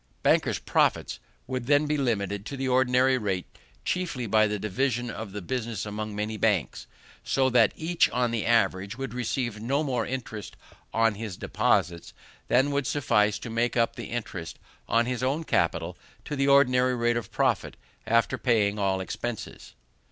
Bankers' profits would then be limited to the ordinary rate chiefly by the division of the business among many banks, so that each on the average would receive no more interest on his deposits than would suffice to make up the interest on his own capital to the ordinary rate of profit after paying all expenses.